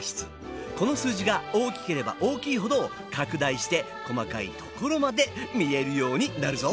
この数字が大きければ大きいほど拡大して細かいところまで見えるようになるぞ！